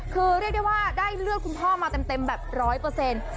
คือเรียกได้ว่าได้เลือดคุณพ่อมาเต็มแบบร้อยเปอร์เซ็นต์